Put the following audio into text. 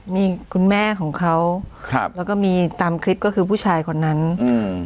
มีคุณแม่ของเขาครับแล้วก็มีตามคลิปก็คือผู้ชายคนนั้นอืม